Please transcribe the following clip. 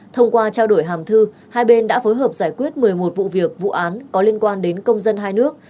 thông qua trao đổi hàm thư hai bên đã phối hợp giải quyết một mươi một vụ việc vụ án có liên quan đến công dân hai nước